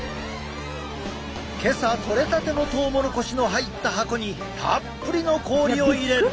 今朝採れたてのトウモロコシの入った箱にたっぷりの氷を入れる。